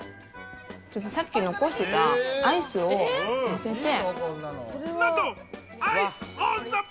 さっき残していたアイスをのせて。